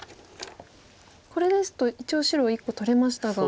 これですと一応白１個取れましたが。